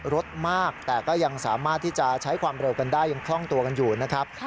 รถมากแต่ก็ยังสามารถที่จะใช้ความเร็วกันได้ยังคล่องตัวกันอยู่นะครับ